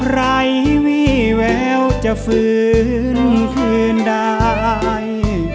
ไหล่วิแววจะฝืนคืนได้